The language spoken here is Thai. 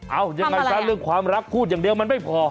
เอายังไงซะเรื่องความรักพูดอย่างเดียวมันไม่พอ